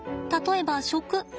例えば食。